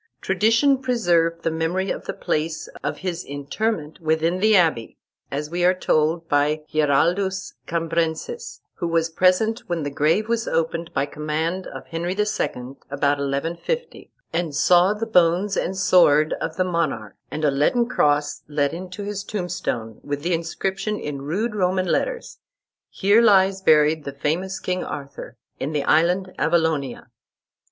Tradition preserved the memory of the place of his interment within the abbey, as we are told by Giraldus Cambrensis, who was present when the grave was opened by command of Henry II. about 1150, and saw the bones and sword of the monarch, and a leaden cross let into his tombstone, with the inscription in rude Roman letters, "Here lies buried the famous King Arthur, in the island Avalonia."